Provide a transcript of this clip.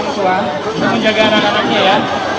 untuk menjaga anak anaknya ya